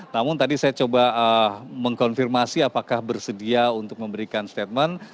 namun tadi saya coba mengkonfirmasi apakah bersedia untuk memberikan statement